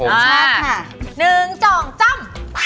หนึ่งสองจ้อม